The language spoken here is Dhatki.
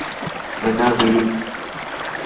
منا ڀهي.